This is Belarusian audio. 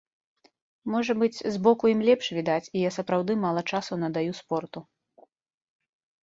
Можа быць, збоку ім лепш відаць і я сапраўды мала часу надаю спорту.